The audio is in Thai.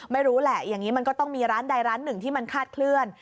ไม่รู้แหละอย่างนี้มันก็ต้องมีร้านใดร้านหนึ่งที่มันคาดเคลื่อน